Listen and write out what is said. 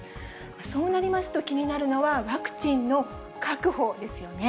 そうなりますと、気になるのはワクチンの確保ですよね。